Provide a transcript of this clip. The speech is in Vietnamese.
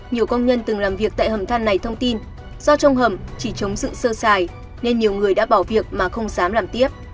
nhiều công nhân từng làm việc tại hầm than này thông tin do trong hầm chỉ chống sự sơ xài nên nhiều người đã bỏ việc mà không dám làm tiếp